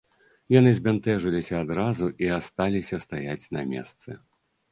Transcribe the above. Яны збянтэжыліся адразу і асталіся стаяць на месцы.